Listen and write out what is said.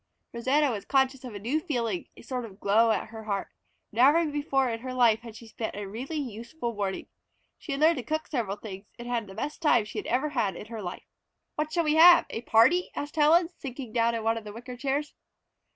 Rosanna was conscious of a new feeling, a sort of glow, at her heart. Never before in her life had she spent a really useful morning. She had learned to cook several things, and had the best time she had ever had in her life. "What shall we have? A party?" asked Helen, sinking down in one of the wicker chairs.